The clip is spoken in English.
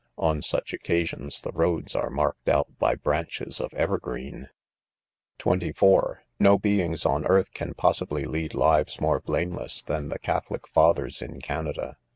On such occasions, the roads ar.e marked out by branches of evergreen. NOTES. %%% (M) No beings on earth can possibly lead lives more blameless, than the Catholic fathers in Canada.